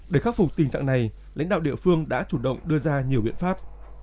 để khắc phục tình trạng này lãnh đạo địa phương đã chủ động đưa ra nhiều biện pháp